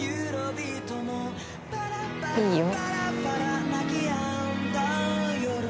いいよ。